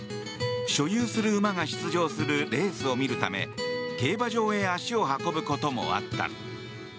所有する馬が出場するレースを見るため競馬場へ足を運ぶこともあった。